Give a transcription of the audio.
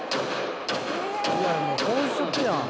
いやもう本職やん。